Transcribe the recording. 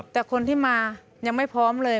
แต่คนที่มายังไม่พร้อมเลย